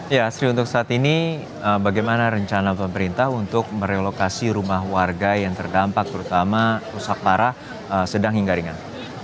ya sri untuk saat ini bagaimana rencana pemerintah untuk merelokasi rumah warga yang terdampak terutama rusak parah sedang hingga ringan